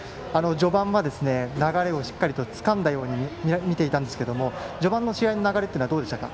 序盤は流れをしっかりとつかんだように見ていたんですが序盤の試合の流れはどうでしたか？